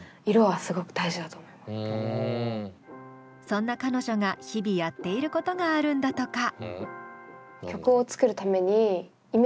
そんな彼女が日々やっていることがあるんだとか。